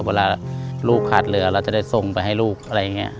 เวลาลูกขาดเรือเราจะได้ส่งไปให้ลูกอะไรอย่างนี้